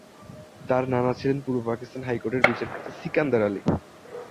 তার নানা ছিলেন পূর্ব পাকিস্তান হাইকোর্টের বিচারপতি সিকান্দার আলী।